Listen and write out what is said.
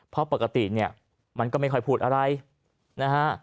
เพราะปกติเนี่ยมันก็ไม่ค่อยพูดอะไรนะฮะ